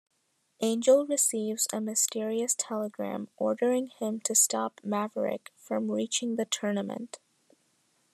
Angel receives a mysterious telegram ordering him to stop Maverick from reaching the tournament.